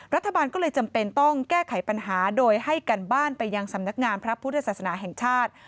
รัฐบาลก็เลยจำเป็นต้องแก้ไขปัญหาโดยให้กันบ้านไปยังสำนักงานพระพุทธศาสนาแห่งชาติ